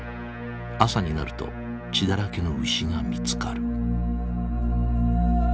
朝になると血だらけの牛が見つかる。